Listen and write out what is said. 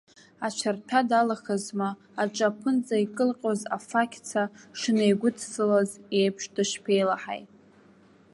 Ацәарҭәа далхызма, аҿы аԥынҵа икылҟьоз афақь ца шынеигәыдсылаз еиԥш дышԥеилаҳаи!